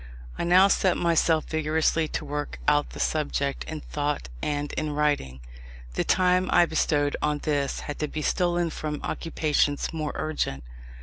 I now set myself vigorously to work out the subject in thought and in writing. The time I bestowed on this had to be stolen from occupations more urgent.